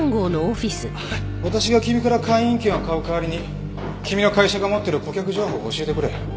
私が君から会員権を買う代わりに君の会社が持ってる顧客情報を教えてくれ。